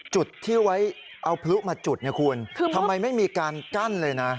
จุดที่ไว้เอาพลุมาจุดเนี่ยคุณทำไมไม่มีการกั้นเลยนะ